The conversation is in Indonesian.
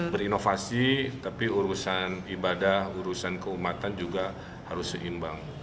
berinovasi tapi urusan ibadah urusan keumatan dan juga keamanan kita juga berubah menjadi jaringan yang lebih baik